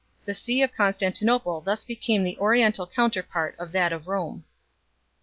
The see of Constantinople thus became the oriental counterpart of that of Rome.